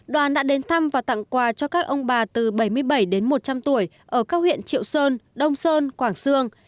đoàn đã đến thăm và tặng quà cho các ông bà từ bảy mươi bảy đến một trăm linh tuổi ở các huyện triệu sơn đông sơn quảng sương